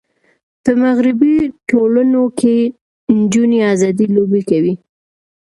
په مغربي ټولنو کې نجونې آزادې لوبې کوي.